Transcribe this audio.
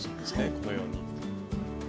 このように。